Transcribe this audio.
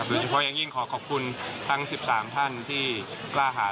เฉพาะอย่างยิ่งขอขอบคุณทั้ง๑๓ท่านที่กล้าหา